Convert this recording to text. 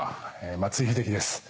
松井秀喜です。